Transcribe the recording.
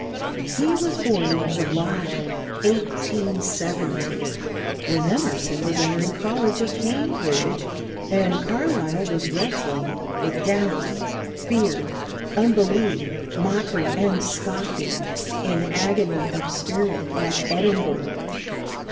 He was born in July, 1817, when Emerson was entering college at Cambridge, and Carlyle was wrestling "with doubt, fear, unbelief, mockery, and scoffing, in agony of spirit," at Edinburgh.